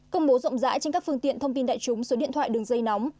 công bố rộng rãi trên các phương tiện thông tin đại chúng số điện thoại đường dây nóng